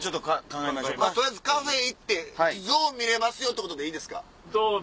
取りあえずカフェ行って象見れますよってことでいいですか。